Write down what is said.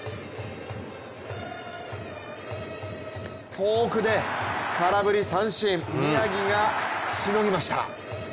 フォークで空振り三振、宮城がしのぎました。